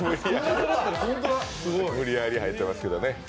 無理やり入ってますけどね。